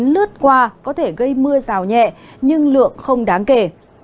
bão số chín lướt qua có thể gây mưa rào nhẹ nhưng lượng không đáng kể